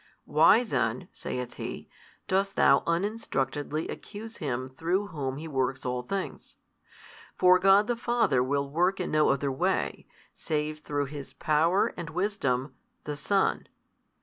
Why then (saith He) dost thou uninstructedly accuse Him through Whom He works all things? for God the Father will work in no other way, save through His Power and Wisdom, the Son.